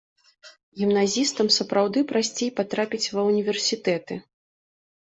Гімназістам сапраўды прасцей патрапіць ва ўніверсітэты.